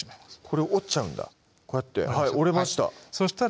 これ折っちゃうんだこうやって折れました